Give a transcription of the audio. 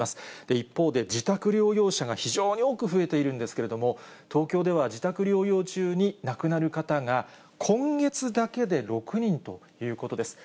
一方で自宅療養者が非常に多く増えているんですけれども、東京では自宅療養中に亡くなる方が、今月だけで６人ということです。